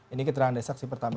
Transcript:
ini keterangan dari saksi pertama